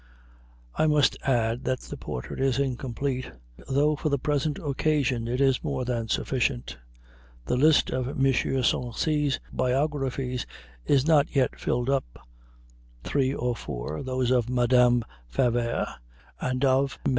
I must add that the portrait is incomplete, though for the present occasion it is more than sufficient. The list of M. Sarcey's biographies is not yet filled up; three or four, those of Madame Favart and of MM.